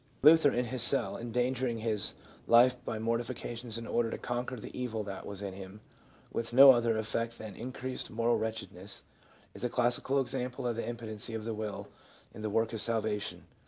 Luther in his cell, endangering his life by mortifications in order to conquer the evil that was in him, with no other effect than increased moral wretched ness, is a classical example of the impotency of the will in the work of salvation.